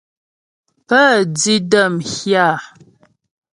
Pə́ di də́ m hyâ.